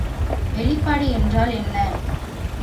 வெளிப்பாடு என்றால் என்ன?